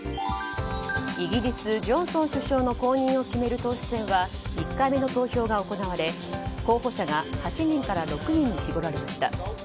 イギリス、ジョンソン首相の後任を決める党首選は１回目の投票が行われ候補者が８人から６人に絞られました。